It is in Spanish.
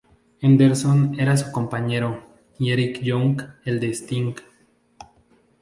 Anderson era su compañero, y Eric Young el de Sting.